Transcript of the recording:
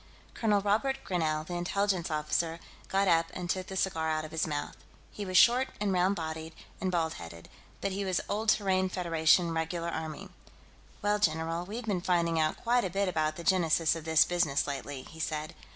Colonel Robert Grinell, the Intelligence officer, got up and took the cigar out of his mouth. He was short and round bodied and bald headed, but he was old Terran Federation Regular Army. "Well, general, we've been finding out quite a bit about the genesis of this business, lately," he said.